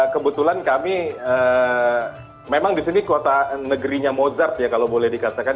kebetulan kami memang di sini kota negerinya mozard ya kalau boleh dikatakan